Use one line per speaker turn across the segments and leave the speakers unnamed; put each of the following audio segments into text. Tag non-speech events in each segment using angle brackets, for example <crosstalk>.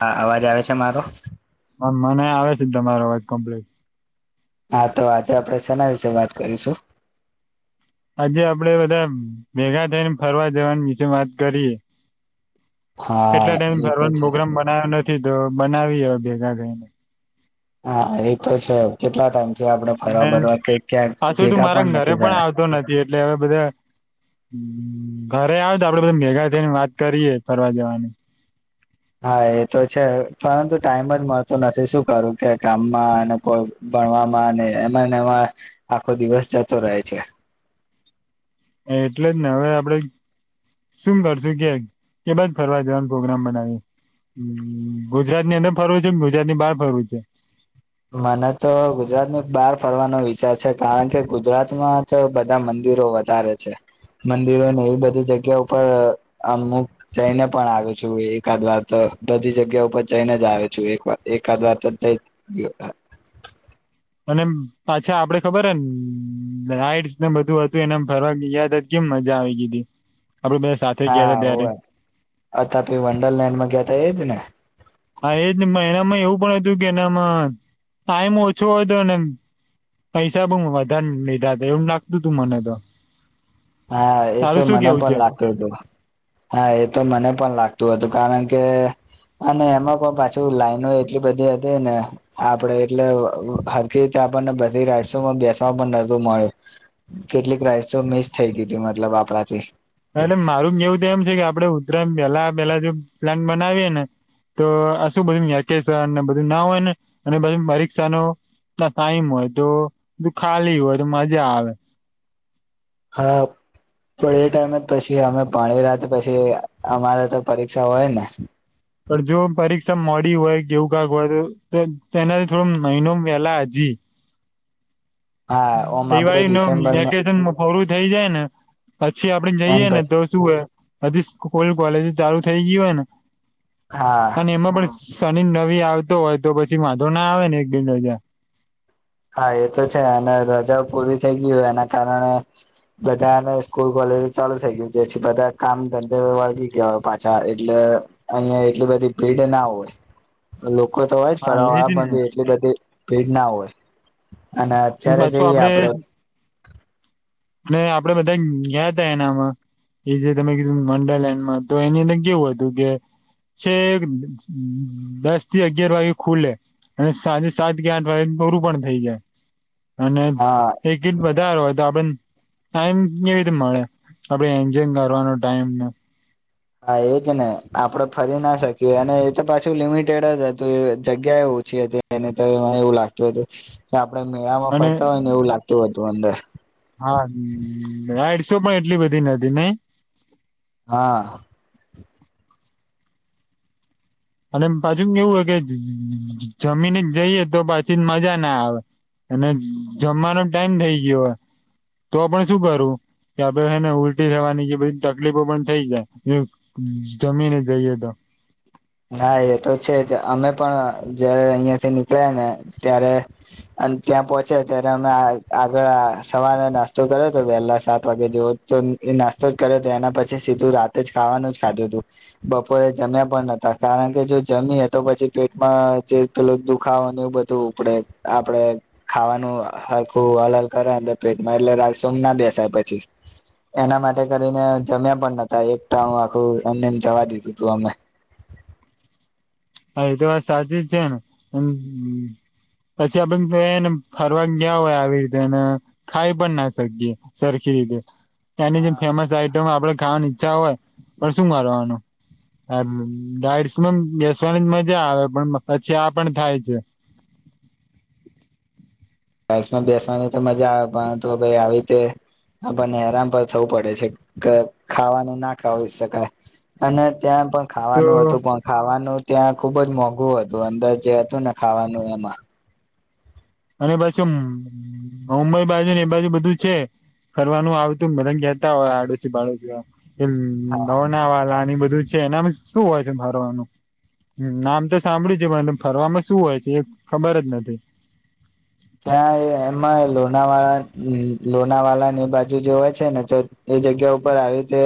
હા અવાજ આવે છે મારો
મને આવે છે તમારો અવાજ કોમ્પ્લેટ
હા તો આજે આપડે સેના વિશે વાત કરીશું.
આજે આપડે બધા ભેગા થઈને ફરવા જવાની વિશે વાત કરીએ.
હા
એટલા ટાઈમ
એ તો
ફરવાનો
છે
પોગ્રામ બનાવયો નથ થી તો બનાવી હવે ભેગા થઈને
હા એતો છે કેટલા ટાઈમ
અને પાછું તું
ભેગા
મારા ઘરે
નથી
પણ
થયા
આવતો નથી એટલે હવે બધા ઘરે આવ તો આપડે બધું ભેગા થઈને વાત કરીયએ ફરવા જવાની
હા એ તો છે પરંતુ ટાઈમ જ મળતું નથી શું કરું કે કામમાં અને કોઈ ભણવામાં ને એ મને એમાં આખો દિવસ જતો રહે છે.
<inaudible> એટલે જ ને હવે આપડે શું કરશુ કે કે બાજ ફરવા જવાનું પ્રોગ્રામ બનાવી એ ગુજરાતની અંદર ફરવું છે ગુજરાતની બહાર ફરવું છે.
મને તો ગુજરાતની બહાર ફરવાનો વિચાર છે કારણ કે ગુજરાતમાં તો બધા મં મંદીરો વધારે છે. મંદિરોને એ બધી જગ્યા ઉપર અમુક જઈને પણ આવયો છું એકાદ વાર તો બધી જગ્યા ઉપર જઈને જ આવે છું એક વાર એકાદ વાર જ <inaudible>
અને પાછા આપડે ખબર હન રાઈટસ બધું હતું ને એમ ફરવા ગીયા તો કેમ મજા <inaudible> સાથે ગયા
હા
હતા ત્યારે
હોય અતા તે વંડરલેન્ડમાં ગયા તા એ જ ને
હા એ જ મહિનામાં એવું પણ હતું કે એનામાં ટાઈમ ઓછો હતો એને પૈસા બઉ વધારેને લીધા હતા એવું લાગતું તું મને તો
હા એ તો
તારું શું
મને
કેવું છે
પણ લાગતું હતું હા એ તો મને પણ લાગ તુ હતુ કારણ કે અને એમાં પણ પાછું લાઈનો એટલી બધી હતી ને આપડે એટલે હરકી આપણને બધી રાઈડસમાં બેસવા પઢ નતુ મળ્યું કેટલીક રાઈડસ મિ થઈ ગીતી મતલબ આપણાથી
એટલે મારું કેવું તો એમ છે કે આપડે ઉત્તરાય પેલા પેલા જો પ્લાન બનાવીએે ને તો આ શું બધું વેકેશન ને બધું ના હોય ને અને પછી પરીક્ષાનુ ના ટાઈમ હોય તો ખાલી હોય તો મજા આવે
હાપ તો એ ટાઈમે જ પછી અમે પાણી રાત પછી અમારે તો પરીક્ષા હોય ને
પણ જો પરીક્ષા મોડી હોય કેવું કાક હોય તો તેનાથી થોડો મહિનો વહેલા હજી <inaudible>
હા ઓમ આપડે
દિવાળીનુ
ડિસેમ્બરમાં
વેકેશન પોરું થઇ જાય ને પછી આપડે
એમ
જઈએ ને
પછી
તો શું હો બધી સ્લ કોલેજ ચાલુ થઈ ગયુ હોય ને
હા
અને એમાં પણ શનિ નવી આવતો હોય તો પછી માધો ના આવે ને એક બેન રજા
હા એ તો છે. અને રજાઓ પૂરી થઈ ગય હોય એના કારણે બધાને સ્કૂલ ચાલુ થઈ ગયું છે. બધા કામ ધંધ વળગી ગયા હોય પાછા. એટલે અહિયાં એટલી બધી ભીડ ના હોય. લો તો હોયજ
હા
ફરાવ
એજ ને
બાંધી એટલી બધી ભીડ ના હોય. અને અત્યારે જઈએ આપડે
ને આપડે બધા ગયા તા એનામાં એ જે તમે કીધું મંડલ એન્ડમાં. તો એની અંદર કેવું હતું કે છે દસ થી અગિયાર વાગે ખુલે, અને સાંજે સાત કે આઠ વાગે પરું પણ થઈ જાય. અને
હા
એકટ વધારે હોય તો આપને ટાઈમ કેવીતે મળે? આપડે એન્જોય મારવાનો ટાઈમ
હા એજને. આપડે ફરી ના શકીએ. અને એ તો પાછું લિમિટેડ જ હતું. એ જગ્યા એવું પૂછી હતી એલોને એવું લાગતું હતું, કે આપડે મેળામાં
અને
ફરતા હોય ને. એવું લાગતું હતું અંદર.
હા આડસો પણ એટલી બધી નથી નહ
હા.
અને પાછુ કેવું હોય કે જ જમીન જ જઈએ તો પછી મજા ના આવે અને જમવાનો ટાઈમ થઈ ગયો. તો પણ શું કરવું? કે આપે હે ને ઉલટી જવાની બધી તકલીફો પણ થઈ જાય. એ જમીને જઈએ તો. <inaudible>
હા એ તો છે જ. અમે પણ જયારે અહિયાં થી નીકળ્યા ને ત્યારે અને ત્યાં પોહોંચ્યા ત્યારે અમે આ આગળ આ સવારના નાસ્તો કર્યો તો વહેલા સાત વાગે જોવો તો એ નાસ્તો જ કર્યો તો એના પછી સીધું રાતે જ ખાવાનું જ ખાધું હતું. બપોરે જમ્યા પણ નથ કા કારણ કે જો જમીએ, તો પછી પેટમાં જે પેલું દુખાવો ને એવું બધું ઉપડે. આપડે ખાવાનુંખું હલકુ હલ હલ કરે પેટમાં એટલે રઇસમા ના બેસાય પછી એના માટે કરીને જમ્યા પણ નતા. એક ટાણું આખું એમને જવા દીધું તું અમે.
હા એ તો વાત સાચીજ છેને. મ પછી આપ તો એને ફરવા ગયા હોય આવી રીતેને, ખાઈ પણ ના શકીએ. સરખી રીતે. ત્યાંની જેમ
હા
ફેમસ આઈટમ આપડે ખાવાની ઈચ્છા હોય. પણ શું મારવાનું <unintelligible> જ મજા આવે, પણ પછી આ પણ થાય છે.
રઇસમા બેસવાની તો મજા આવે. પરંતુ ભાઈ આવી રીતે આપણને હરામ પણ થવું પડે છે. કે ખાવાનું ના ખાવી શકાય. અને ત્યાં પણ
તો
ખાવાનું હતું, પણ ખાવાનું ત્યાં ખુબજ મોંઘું હતું. અંદરજ જે હતું ને ખાવાનું એમાં.
અને પાછુ ઉ મુબઈ બાજુ ને એ બાજુ બધું છે. ફરવાનું આવતું બધા ગેતા હોય આડોશી બાડોશી એ નવા ના એ બધું છે એનામાં શું હોય છે ફરવાનું નામ તો સાંભળ્યું છે. મ ફરવામાં શું હોય છે? એ ખબર જ નથી.
ત્યાં એ એમાં લોનાવાળા લ લોનાવાલા નેએ બાજુ જો હોય છે ને. તો જગ્યા ઉપર આવી રીતે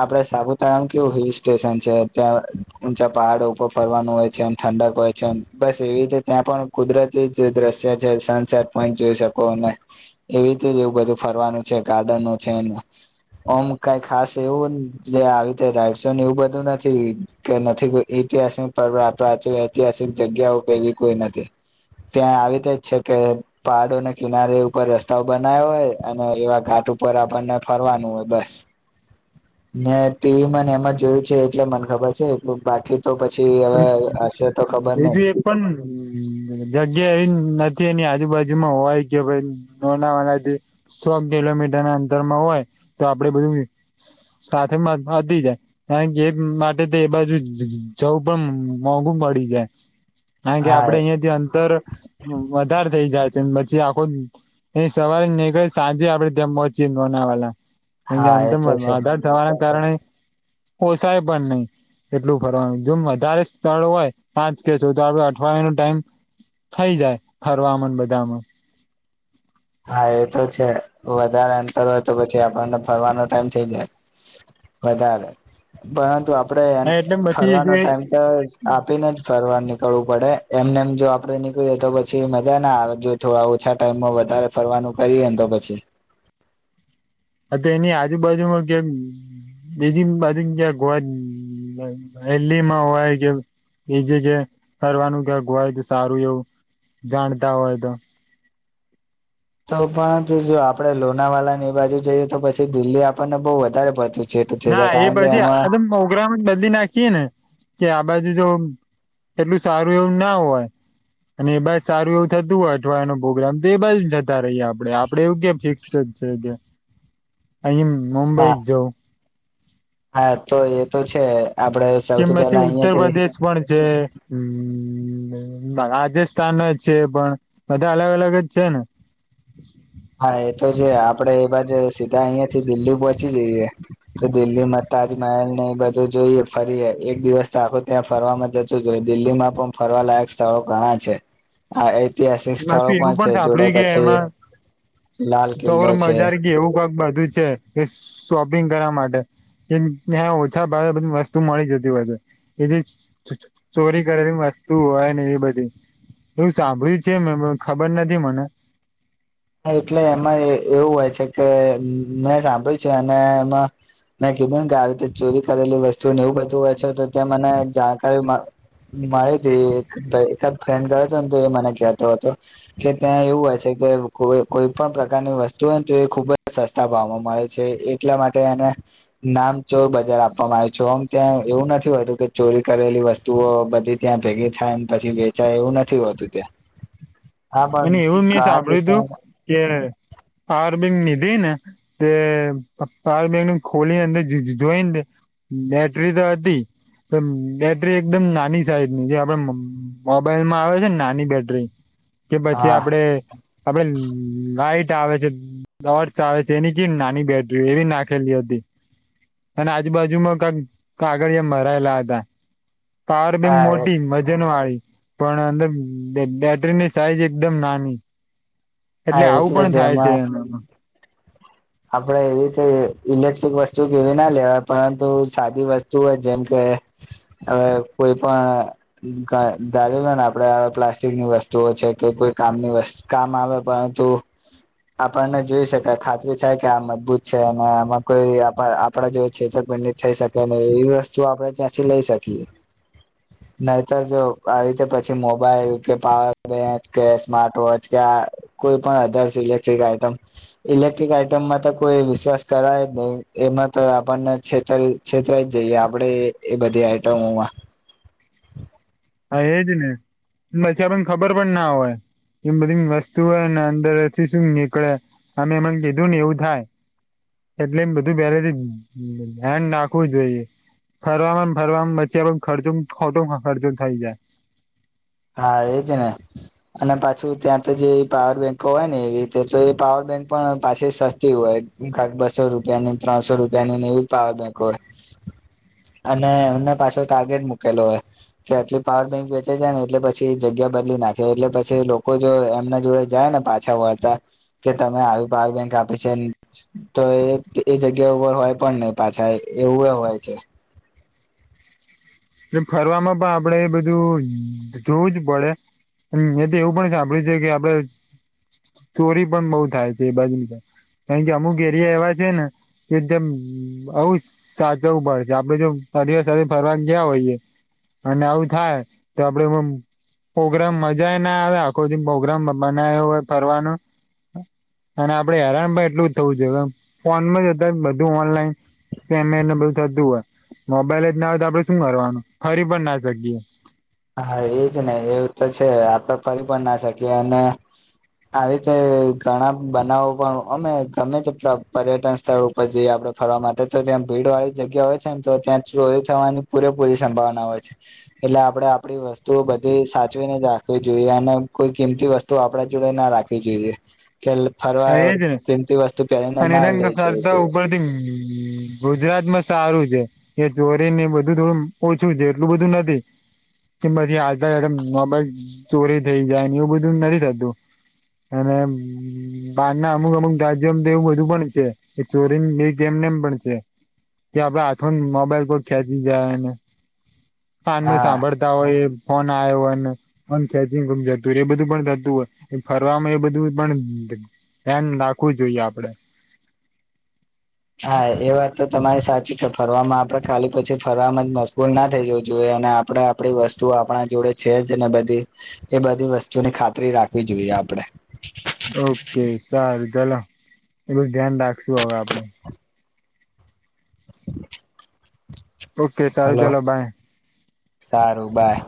આપડ સાપુતારા કેવું હિલ સ્ટેશન છે. ત્યાંં પહાડ ઉપર ફરવાનું હોય છે, એમ ઠંડક હોય છે એમ. બસ એવી રીતે ત્યાં પણ કુદરતી દ્રશ્ય જો સનસેટ પોઈન્ટ જોઈ શકો. અને એવી રીતે એવું બધું ફરવાનું છે. ગાર્ડનો છે. એ ઓમ કઈ ખાસ એવું જે આવી રીતે રાશો ને એવું બધું નથી કે નથી કો ઐતિહાસિક પર પ્રાચી ઐતિહાસિક જગ્યાઓ કેવી કોઈ નથી. ત્યાં આવીતે છે કે પહાડોને કિનારે ઉપર રસ્તાઓ બનાયા હોય. અને એવા ઘાટ ઉપર આપણને ફર વાનું હોય બસ. મે ટીવી મને એમાં જોયું છે એટલે મને ખબર છે એટલું. બાકી તો પછી હવે હશે તો ખબર નહી
બીજું એક પણ જગ્યા એ ન તે એની આજુબાજુમાં હોય. કે ભાઈ નાનાવાનાથી સો કિલોમીટર ના અંતરમાં હોય તો આપડે બધું સ સાથે <unintelligible> કારણ કે માટે તો એ બાજુ ચૌ પણમ મોંઘું પડી જાય કારણ કે
હા
આપડે અહિયાયા થી અંતર વધારે થઇ જાય પછી આખો એ સવારે નીકળે સાંજે આપડે ત પહોંચી બનાવાલા
હા એ તો છે
હ અ અ કારણે ઓશાય પણંધ નહી એટલું ફરવાનું જોમ વધારે સ્થળ હોય પાંચ કે ચો તો આપ અઠવાડયિયા નો ટાઈમ થઈ જાય ફરવામાં બધામાં
હા એ તો છે વધારે અંતર હોય તો પછી આપણને ફરવાનો ટાઈમ થઇ જાય વધારે પરંતુ આપ
હા
આપણે
એટલે
ફરવાનો
પછી
ટાઈમ તો આપીને જ ફરવાની નીકળવું પડે એમને એમ જો આપડે નીકળી જય તો પછી મજા ના આવે જો થોડા ઓછા ટાઈમમાં વધારે ફરવાનું કરીએને તો પછી
એની આજુબાજુમાં કેમ બીજી બાજુ ક્યા ગોવા હલીમાં હોય કે એ જે જે ફરનું ક્યાંક હોય તો સારું એવું જાણતા હોય તો
તો પણ જો આપડે લોનાવાલાની બાજુ જઈએ તો પછી દિલ્હી આપણને બહુ વધારે પડતી
ના એ પછી આ મોગરામ જ બધી નાખીએે ને કે આ બાજુ જો એટલું સારું એવું ના હોય અને એ બાજ સારું એવું થતું હોય અઠવાડિયાનો પ્રોગ્રામ તો એ બાજ જતા રહીએ આપડે આપડેવું કેમ ફિક્સ છે અહી મુંબઈ
હા
જ જઉં
હા તો એ તો છે આપડે
કેમ
સૌથી
પછી
પહેલા
ઉત્તર
અહિયાંથી
પ્રદેશ પણ છે હમ હ રાજસ્થાન છે પણ બધા અલગ અલગ જ છે ને
હા એ તો જે આપડે એ બાજ સીધા અહિયાં થી દિલ્હી પોહોચી જઈએ તો દિલ્હી માં તાજમહેલ ને એ બધું જોઈએ ફરીએ એક દિવસ તો આખો ત્યાં ફરવા જ શ દિલ્હીમાં પણ ફરવાલાયક સ્થળો ઘણા છે હ ઐતિહાસિક સ્થળો
બાકી એવું
પણ છે જોડે પછી લાલ
તોર
કિલ્લો છે
મજા ગ એવું કક બધું છે કે શોપિંગ કરવા માટે ત્યાં ઓછા ભ બધી વસ્તુ મળી જતી હોય છે એ ચોરી કરેલી વસ્તુ હોય ને એ બધી એવું સાંભળી જેમ ખબર નથી મને
એટલે એમાં એવું હોય કે મેં સાંભળ્યું છે અને એમાં મેં કીધું કે આવી રીતે ચોરી કરેલી વસ્તુ એવું બચવું હોય છે તો ત્યાં મને જાણકારી મળી હતી એકાદ ફ્રેન્ડ ગયો હતો ને તો એ મને કહેતો હતો કે ત્યાં એવું હોય છે કે કો કોઈ પણ પ્રકારની વસ્તુ હોય ને તો એ ખૂબ જ સસ્તા ભાવમાં મળે છે એટલા માટે એને નામ ચોર બજાર આપવામાં આવ્યું છે આમ ત્યાં એવું નથી હોતું કે ચોરી કરેલી વસ્તુઓ બધી ત્યાં ભેગી થાય પછી વેચાય એવું નથી હોતું ત્યાં
<unintelligible>
હા પણ
ું
કિસ્સા
કે બીંગ દન તે તંગનું ખોલી જોઈ બેટરી તો અધી બેટરી એકદમ નાની સાઈઝ ની જે આપડે મોબાઈલમાં આવે છે ને નાની બેટરી કે પછી
હા
આપડે આપડે લઇટ આવે છે દ આવે છે એની ક નાની બેટરી એવી નાખેલી હતી અને આજુ બાાજુમાં કક કાગળ મરાયેલા હતા પાવર બેંક
હા
મોટી વજન વાળી પણ અંદર બેટરી ની સાઈઝ એકદમ નાની
હા
એટલે આવું
જ
પણ થાય છે
એમાં
એનામાં
આપડે એવીતે ઇલેક્ટ્રિક વસ્તુ કેવી ના લેવાય પરંતુ સાદી વસ્તુ હોય જેમ કે હવે કોઈ પણ ધને આપણે પ્લાસ્ટિકની વસ્તુ કે કો કામ કામ આવે પરંતુ આપણને જોઈ શકાય ખાતરી છે કે આ મજબૂત છે અને આમાં કોઈ આપડા જો છેતરપંડિત થઈ શકે ન એવી વસ્તુ આપ ક્યાંથી લઈ શકીએ નહીતર જો આવી રીતે પછી મોબાઈલ કે પાવર બેંક કે સ્માર્ટ વોચ કે કો પણ સિલેકટેડ આઈટમ ઇલેક્ આઈટમ તો કોઈ વિશ્વાસ કરાય જ નહી એમાં તો આપણને છેત છેતરાઈ જઈએ આપ આપડે એ બધી આઈટમોમાં
હા એજ ને પછી પણને ખબર પણ ના હોય. એમ બધી વસ્તુઓને અંદરછી શું નીકળે અમે એમને કીધું ને એવું થાય. એટલે એમ બધું પેલેથી ધ્યાન નાખવું જોઈએ. ફરવામાં ફરવા વચ્ચે પણ ખર્ચું ખોટું ખર્ચું થઈ જાય.
હા હેતીના અને પાછું ત્યાં તો જે પાવર બેંકો હોય ને એવી રીતે તો એ પાવર બેંક પણ પાછી સસ્તી હોય કક બસો રૂપિયા ની ત્રણસો રૂપિયાનીને એવી પાવર બેંક હોય. અને એમને પાછો ટાર્ગેટ મૂકેલો હોય કે આટલી પાવર બેંક વેચે છે ને એટલે પછી જગ્યા બદલી નાખે એટલે પછી લોકો જો એમના જોડે જાય ને પાછા વળતા કે તમે તમે આવી પાવર બેંક આપી છે તો એ એ જગ્યા ઉપર હોય પણ નહી પાછા એવું કવાય છે
એ ફરવામાં પણ આપડે એ બધું જોવું જ પડે. એ તો એવું પણ સાંભળ્યું છે કે આપડે ચોરી પણ બઉુ થાય છે એ બાજુ કારણ કે અમુક એરિયા એવા છે ને કે એકદમ આવુ સાચવું પડે છે આપડે જો અઢવા ફરવાની ગયા હોઈએ અને આવું થાય તો આપડે પ્રગ્રામ મજા ના આવે આખો દ પ્રોગ્રામ બનાવ્યો હોય ફરવાનું અને આપડે હેરાન પણ એટલું જ થવું જો ફોન જતા બધું ઓનલાઈન પેમેન્ટને બધું થતું હોય મોબાઈલ જ ના હોય તો આપડે શું કરવારવાનું ફરી પણ ના શકીએ.
હા એજ ને એવું તો છે આપડે ફરી પણ ના શકીએ અને આવી રીતે ઘણા બનાવો પણ અમે ગમે તે પર્યટન સ્થળ ઉપર જઈએ આપડે ફરવા માટે તો ત્યાં ભીડ વાળી જગ્યા હોય છે ને તો ત્યાં ચોરી થવાની પૂરેપૂરી સંભાવના હોય છે એટલે આપડે આપણી વસ્તુઓ બધી સાચવીને જ રાખવી જોઈએ અને કોઈ કિંમતી વસ્તુ આપણા જોડે ના રાખવી જોઈએ. કે ફરવા
એજ ને
કીમતી વસ્તુ પરીને
અને
ના
એના
લઈ જ
કરતા
જો
ઉપરથી ગુજરાતમાં સારું છે એ ચોરી ને બધું થોડું ઓછું છે એટલું બધું નથી. કે પછી આજડમબ ચોરી થઈ જાયને એવું બધું નથી થતું. એને બહાર ના અમુક અમુક દા્યોમ તો એવું બધું પણ છે ચોરી બે કેમને એમ પણ છે કે આપડે હાથો મોબાઈલ પર ખેંચી જાય ને કાનમાં
હા
સાંભળતા હોય ફોન આવ્યો હોયને ફન ચારજિંગ જતું હોય એ બધું પણ થતું હોય ફરવાવામાં એ બધું પણ ધ્યાન રાખવું જોઈએ આપડે
હા એ વાત તો તમારી સાથે ફરવામાં આપડે ખાલી પછી ફરવા જ મશબૂલ ના થઈ જવું જોઈએ અને આપડે આપણી વસ્તુ આપણા જોડે છે જ ને બધી એ બધી વસ્તુની ખાતરી રાખવી જોઈએ આપડે
ઓકે સારુ ચલો એલું જ ધ્યાન રાખશું હવે આપડે. ઓકે સારું
હલો
ચાલો બાય
સારું બાઈ.